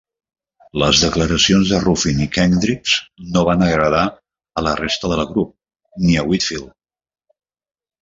Les declaracions de Ruffin i Kendricks no van agradar a la resta del grup, ni a Whitfield.